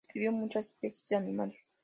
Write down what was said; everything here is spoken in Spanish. Describió muchas especies animales.